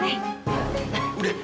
ya udah nek